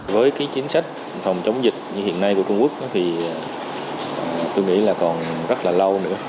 với cái chính sách phòng chống dịch như hiện nay của trung quốc thì tôi nghĩ là còn rất là lâu nữa